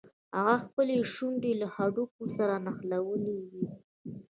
هغه خپلې شونډې له هډوکي سره نښلوي.